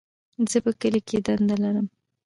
زه په کلي کي دنده لرم.